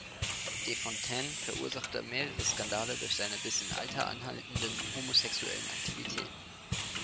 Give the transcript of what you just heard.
Desfontaines verursachte mehrere Skandale durch seine bis in Alter anhaltenden homosexuellen Aktivitäten.